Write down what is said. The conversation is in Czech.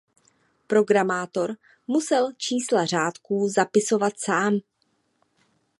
Programátor musel čísla řádků zapisovat sám.